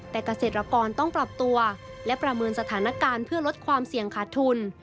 แต่เกษตรกรต้องปรับตัวและประเมินสถานการณ์เพื่อลดความเสี่ยงขาดทุน